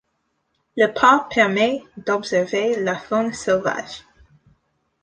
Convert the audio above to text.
Le parc permet d'observer la faune sauvage.